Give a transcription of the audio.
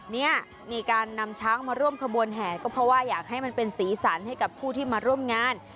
เนี่ยมีการนำช้างมาร่วมขบวนแห่ก็เพราะว่าอยากให้มันเป็นสีสันให้กับผู้ที่มาร่วมงาน